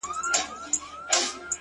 بيا دي توري سترگي زما پر لوري نه کړې؛